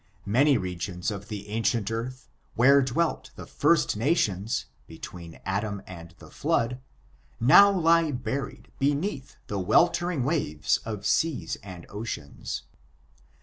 Many regions of the ancient earth, where dwelt the first nations, between Adam and the flood, now lie buried beneath the weltering waves of seas and oceans.